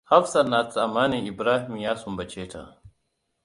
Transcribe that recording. Hafsat na tsammanin Ibrahim ya sumbace ta.